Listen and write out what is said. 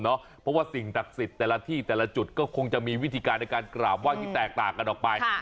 เพราะว่าสิ่งศักดิ์สิทธิ์แต่ละที่แต่ละจุดก็คงจะมีวิธีการในการกราบไห้ที่แตกต่างกันออกไป